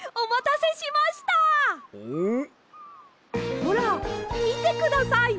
ほらみてください！